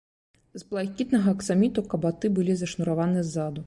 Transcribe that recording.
З блакітнага аксаміту кабаты былі зашнураваны ззаду.